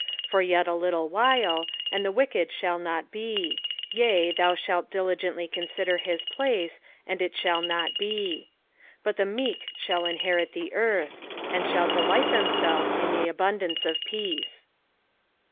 10 For yet a little while, and the wicked s/ta/I not ie : yea, thou shalt diligently consider his place, and it sAa/l not ie. 11 But the meek shall inherit the earth; and shall delight themselves in the abundance of peaCfe.